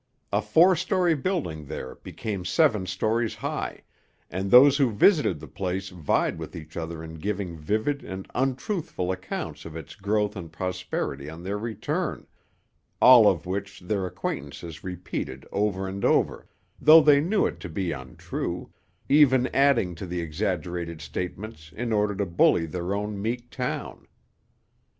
A four story building there became seven stories high, and those who visited the place vied with each other in giving vivid and untruthful accounts of its growth and prosperity on their return; all of which their acquaintances repeated over and over, though they knew it to be untrue, even adding to the exaggerated statements, in order to bully their own meek town.